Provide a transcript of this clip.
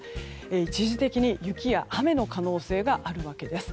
一時的に雪や雨の可能性があるわけです。